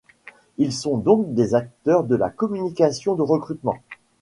Ils sont donc des acteurs de la communication de recrutement.